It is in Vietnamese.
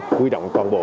quy động toàn bộ